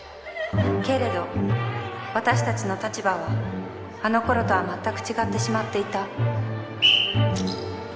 けれど私たちの立場はあの頃とはまったく違ってしまっていた。